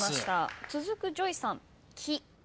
続くＪＯＹさん「き」